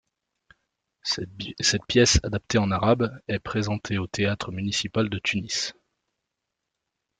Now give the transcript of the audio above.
Cette pièce adaptée en arabe est présentée au Théâtre municipal de Tunis.